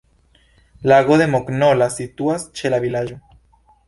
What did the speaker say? Lago de Mognola situas ĉe la vilaĝo.